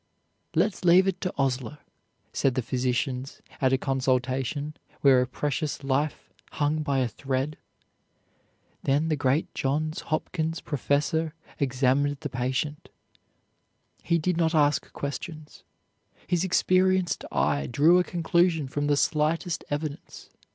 "Let's leave it to Osler," said the physicians at a consultation where a precious life hung by a thread. Then the great Johns Hopkins professor examined the patient. He did not ask questions. His experienced eye drew a conclusion from the slightest evidence.